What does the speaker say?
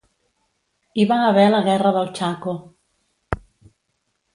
Hi va haver la Guerra del Chaco.